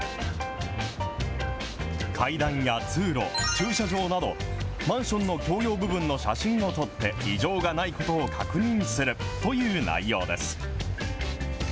階段や通路、駐車場など、マンションの共用部分の写真を撮って、異常がないことを確認するという内容です。